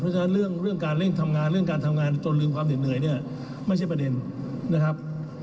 เพราะฉะนั้นเรื่องการเร่งทำงานเรื่องการทำงานจนลืมความเหน็ดเหนื่อยเนี่ยไม่ใช่ประเด็นนะครับ